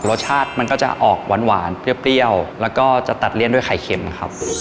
รสชาติมันก็จะออกหวานเปรี้ยวแล้วก็จะตัดเลี่ยนด้วยไข่เค็มนะครับ